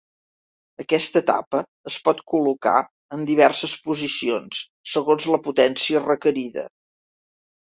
Aquesta tapa es pot col·locar en diverses posicions segons la potència requerida.